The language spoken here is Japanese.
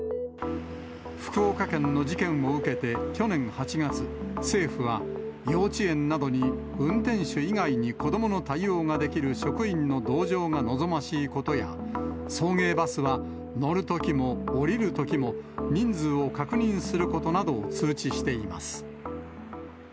福岡県の事件を受けて去年８月、政府は、幼稚園などに運転手以外に子どもの対応ができる職員の同乗が望ましいことや、送迎バスは乗るときも降りるときも、人数を確認することなどを通知しています。